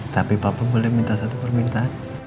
tapi papua boleh minta satu permintaan